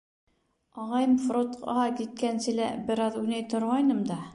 Ағайым фронтҡа киткәнсе лә бер аҙ уйнай торғайным да.